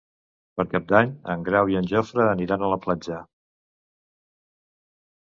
Per Cap d'Any en Grau i en Jofre aniran a la platja.